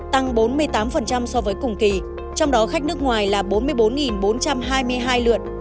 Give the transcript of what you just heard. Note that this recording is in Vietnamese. tăng bốn mươi tám so với cùng kỳ trong đó khách nước ngoài là bốn mươi bốn bốn trăm hai mươi hai lượt